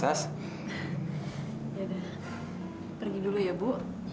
ya udah pergi dulu ya bu